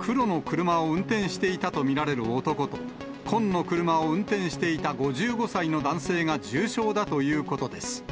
黒の車を運転していたと見られる男と、紺の車を運転していた５５歳の男性が重傷だということです。